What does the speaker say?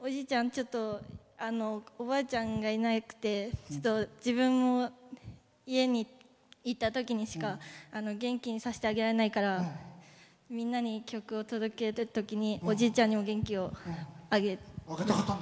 ちょっとおばあちゃんがいなくて自分も家にいたときにしか元気にさせてあげられないからみんなに曲を届けるときにおじいちゃんにも元気をあげたかった。